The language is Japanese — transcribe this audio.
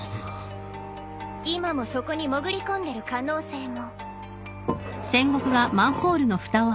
今もそこに潜り込んでる可能性も。